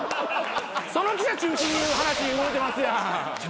その記者中心に話動いてますやん。